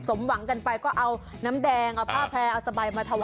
สมหวังกันไปเอาน้ำแดงเอาผ้าแพราเอาทะวาย